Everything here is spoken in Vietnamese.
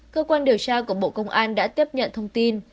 cơ quan điều tra của bộ công an đã tiếp nhận thông tin